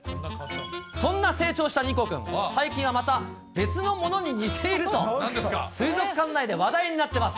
そんな成長したニコくん、最近はまた別のものに似ていると、水族館内で話題になってます。